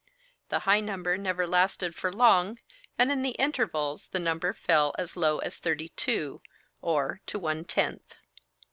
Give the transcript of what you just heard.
The high number never lasted for long, and in the intervals the number fell as low as 32, or to one tenth.